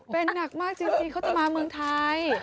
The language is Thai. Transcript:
เป็นหนักมากจริงเขาจะมาเมืองไทย